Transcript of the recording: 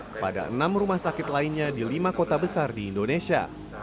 kepada enam rumah sakit lainnya di lima kota besar di indonesia